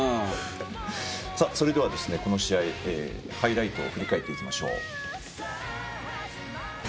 それでは、この試合ハイライトを振り返っていきましょう。